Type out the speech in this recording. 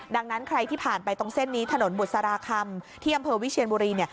ดังนั้นใครที่ผ่านไปตรงเส้นนี้ถนนบุษราคำที่อำเภอวิเชียนบุรี